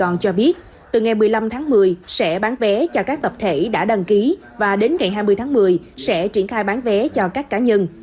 sài gòn cho biết từ ngày một mươi năm tháng một mươi sẽ bán vé cho các tập thể đã đăng ký và đến ngày hai mươi tháng một mươi sẽ triển khai bán vé cho các cá nhân